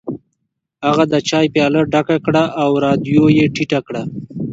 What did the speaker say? هغه د چای پیاله ډکه کړه او رادیو یې ټیټه کړه